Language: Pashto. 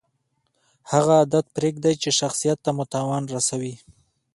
هغه عادت پرېږدئ، چي شخصت ته مو تاوان رسوي.